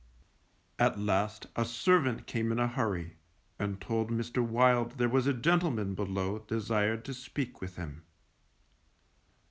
At last a servant came in a hurry, and told Mr. Wild there was a gentleman below desired to speak with him.